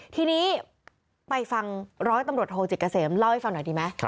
ทีนี้ไปฟังร้อยตำรวจโทจิตเกษมเล่าให้ฟังหน่อยดีไหม